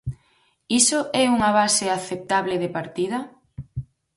Iso é unha base aceptable de partida?